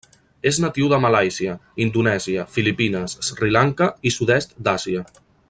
És natiu de Malàisia, Indonèsia, Filipines, Sri Lanka i sud-est d'Àsia.